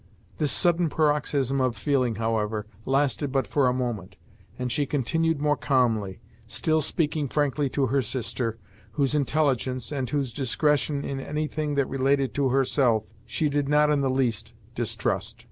This sudden paroxysm of feeling, however, lasted but for a moment, and she continued more calmly, still speaking frankly to her sister, whose intelligence, and whose discretion in any thing that related to herself, she did not in the least distrust.